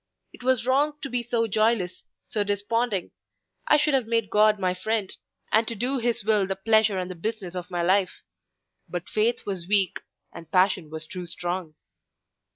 It was wrong to be so joyless, so desponding; I should have made God my friend, and to do His will the pleasure and the business of my life; but faith was weak, and passion was too strong.